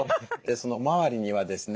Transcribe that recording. その周りにはですね